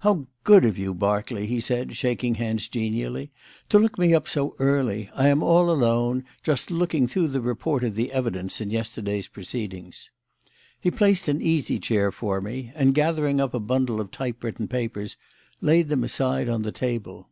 "How good of you, Berkeley," he said, shaking hands genially, "to look me up so early. I am all alone, just looking through the report of the evidence in yesterday's proceedings." He placed an easy chair for me, and, gathering up a bundle of type written papers, laid them aside on the table.